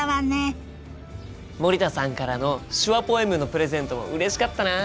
森田さんからの手話ポエムのプレゼントもうれしかったな。